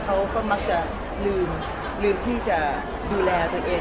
เขาก็มักจะลืมที่จะดูแลตัวเอง